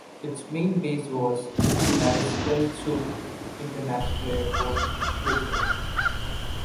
Its main base was Mariscal Sucre International Airport, Quito.